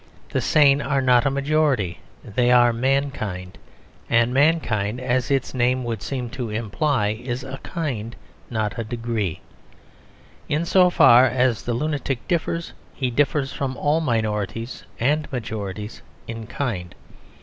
The sane are not a majority; they are mankind. And mankind (as its name would seem to imply) is a kind, not a degree. In so far as the lunatic differs, he differs from all minorities and majorities in kind.